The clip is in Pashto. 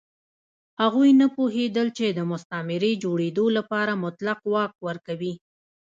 هغوی نه پوهېدل چې د مستعمرې جوړېدو لپاره مطلق واک ورکوي.